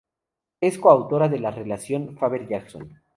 Es coautora de la relación Faber-Jackson.